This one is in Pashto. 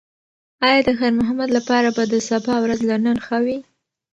ایا د خیر محمد لپاره به د سبا ورځ له نن ښه وي؟